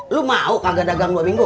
lo mau kagak dagang dua minggu